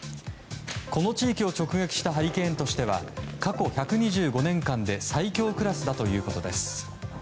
この地域を直撃したハリケーンとしては過去１２５年間で最強クラスだということです。